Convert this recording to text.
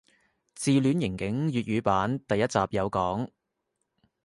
自戀刑警粵語版第一集有講